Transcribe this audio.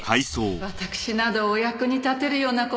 わたくしなどお役に立てるような事は。